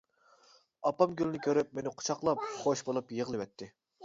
ئاپام گۈلنى كۆرۈپ مېنى قۇچاقلاپ، خۇش بولۇپ يىغلىۋەتتى.